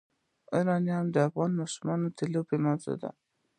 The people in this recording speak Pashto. یورانیم د افغان ماشومانو د لوبو موضوع ده.